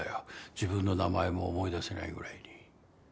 自分の名前も思い出せないぐらいに。